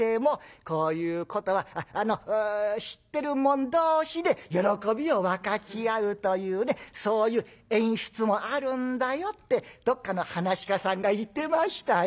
こういうことは知ってる者同士で喜びを分かち合うというねそういう演出もあるんだよってどっかの噺家さんが言ってましたよ」。